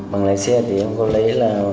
bằng lái xe thì em có lấy là